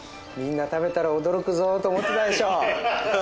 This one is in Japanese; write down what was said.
みんな食べたら驚くぞと思ってたでしょ？